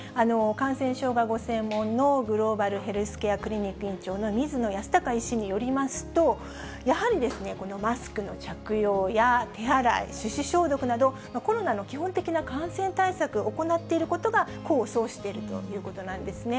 感染症がご専門のグローバルヘルスケアクリニック院長の水野泰孝医師によりますと、やはりマスクの着用や手洗い、手指消毒など、コロナの基本的な感染対策、行っていることが、功を奏しているということなんですね。